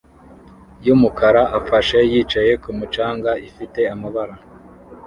yumukara afashe yicaye kumu canga ifite amabara